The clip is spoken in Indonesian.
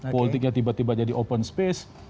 politiknya tiba tiba jadi open space